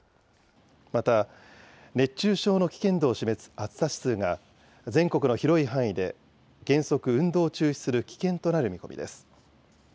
また、熱中症の危険度を示す暑さ指数が、全国の広い範囲で、原則運動を中止する危険となる見込みです。